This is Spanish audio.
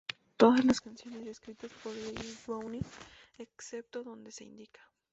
Todas las canciones escritas por David Bowie, excepto donde se indica.